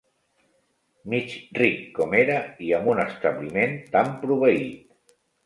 Mig ric com era i amb un establiment tant proveit